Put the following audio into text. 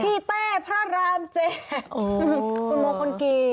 พี่เต้พระรามเจคุณโมคลกรีด